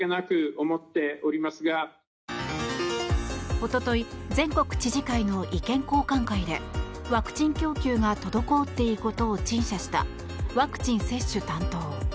一昨日全国知事会の意見交換会でワクチン供給が滞っていることを陳謝したワクチン接種担当。